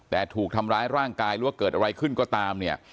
แต่ถูกทำร้ายร่างกายหรือว่าเกิดอะไรขึ้นก็ตามเนี่ย